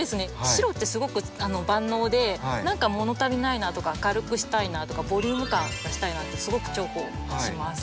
白ってすごく万能で何か物足りないなとか明るくしたいなとかボリューム感出したいなってすごく重宝します。